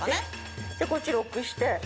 でこっちロックして。